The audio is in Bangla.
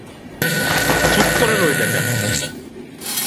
চুপ করে রইলে কেন?